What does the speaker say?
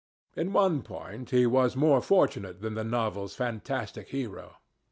In one point he was more fortunate than the novel's fantastic hero.